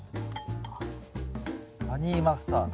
ハニーマスタード。